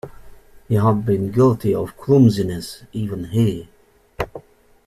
He had been guilty of a clumsiness — even he.